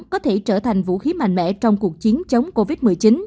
có thể trở thành vũ khí mạnh mẽ trong cuộc chiến chống covid một mươi chín